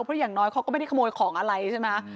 เพราะอย่างน้อยเขาก็ไม่ได้ขโมยของอะไรใช่ไหม